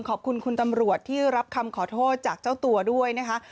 ขอบคุณคุณตำรวจที่รับคำขอโทษจากเจ้าตัวด้วยนะคะ